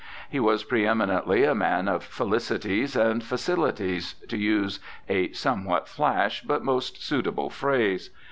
He was pre eminently a man of felicities and facilities, to use a somewhat flash but most suitable phrase.